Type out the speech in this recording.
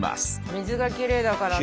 水がきれいだからね。